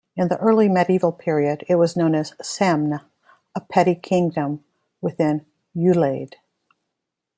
In the early medieval period it was known as Semne, a petty-kingdom within Ulaid.